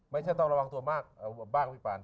ไม่ใช่ต้องระวังตัวมากบ้างพี่ปาน